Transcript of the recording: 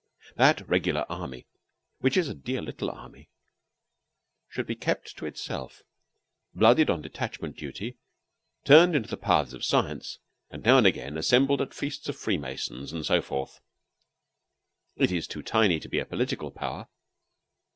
That regular army, which is a dear little army, should be kept to itself, blooded on detachment duty, turned into the paths of science, and now and again assembled at feasts of Free Masons, and so forth. It is too tiny to be a political power.